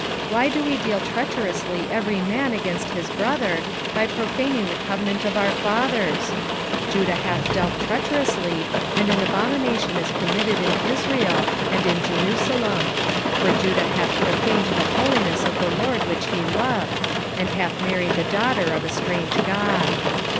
why do we deal treacherously every man against his brother, by profaning the covenant of our fathers? 2:11 Judah hath dealt treacherously, and an abomination is committed in Israel and in Jerusalem; for Judah hath profaned the holiness of the LORD which he loved, and hath married the daughter of a strange god.